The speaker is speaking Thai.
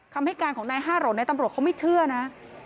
คำให้การของนายห้าหล่นในตำรวจเขาไม่เชื่อนะ